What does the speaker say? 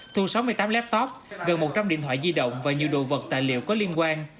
thu sáu mươi tám laptop gần một trăm linh điện thoại di động và nhiều đồ vật tài liệu có liên quan